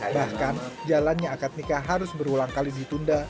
bahkan jalannya akad nikah harus berulang kali ditunda